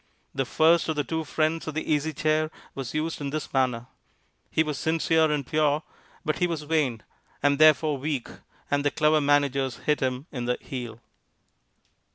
The first of the two friends of the Easy Chair was used in this manner. He was sincere and pure, but he was vain, and therefore weak, and the clever managers hit him in the heel.